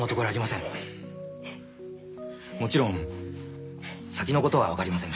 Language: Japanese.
もちろん先のことは分かりませんが。